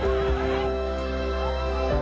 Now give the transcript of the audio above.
ขอบคุณครับ